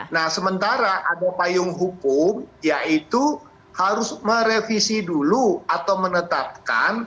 nah sementara ada payung hukum yaitu harus merevisi dulu atau menetapkan